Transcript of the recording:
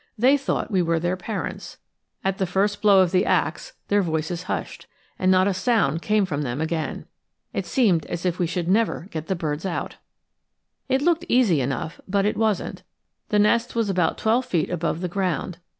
They thought we were their parents. At the first blow of the axe their voices hushed, and not a sound came from them again. It seemed as if we never should get the birds out. It looked easy enough, but it wasn't. The nest was about twelve feet above the ground.